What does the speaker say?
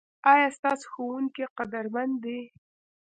ایا ستاسو ښوونکي قدرمن دي؟